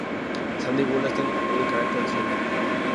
Sandy Wollaston, en carácter de zoólogo.